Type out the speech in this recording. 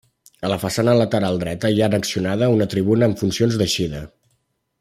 A la façana lateral dreta hi ha annexionada una tribuna amb funcions d'eixida.